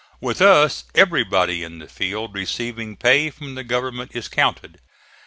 With us everybody in the field receiving pay from the government is counted.